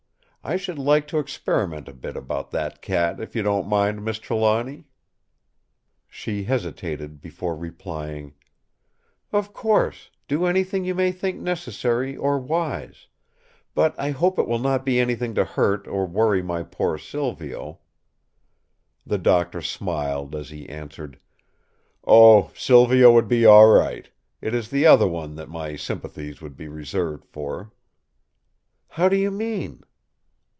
I should like to experiment a bit about that cat if you don't mind, Miss Trelawny." She hesitated before replying: "Of course, do anything you may think necessary or wise; but I hope it will not be anything to hurt or worry my poor Silvio." The Doctor smiled as he answered: "Oh, Silvio would be all right: it is the other one that my sympathies would be reserved for." "How do you mean?"